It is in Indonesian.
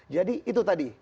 jadi itu tadi